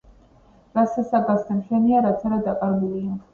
რასაცა გასცემ შენია რაცარა დაკარგულია